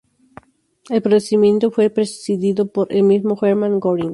El procedimiento fue presidido por el mismo Hermann Göring.